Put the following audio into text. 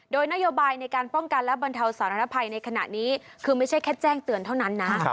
โดยนโยบายในการป้องกันและบรรเทาสารภัยในขณะนี้คือไม่ใช่แค่แจ้งเตือนเท่านั้นนะ